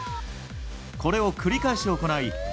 これを繰り返し行い